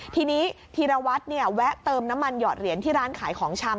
ทีนี้ธีรวัตรแวะเติมน้ำมันหอดเหรียญที่ร้านขายของชำ